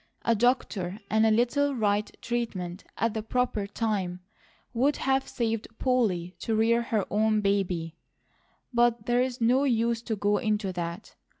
A doctor and a little right treatment at the proper time would have saved Polly to rear her own baby; but there's no use to go into that.